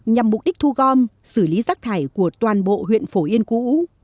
nhằm mục đích thu gom xử lý rác thải của toàn bộ huyện phổ yên cũ